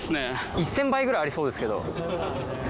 １０００倍ぐらいありそうですけど。